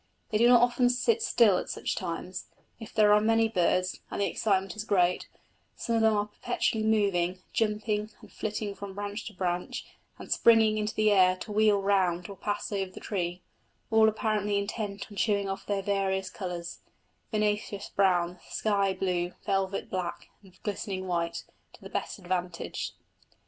But they do not often sit still at such times; if there are many birds, and the excitement is great, some of them are perpetually moving, jumping and flitting from branch to branch, and springing into the air to wheel round or pass over the tree, all apparently intent on showing off their various colours vinaceous brown, sky blue, velvet black, and glistening white to the best advantage.